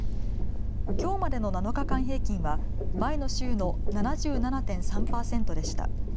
きょうまでの７日間平均は前の週の７７．３％でした。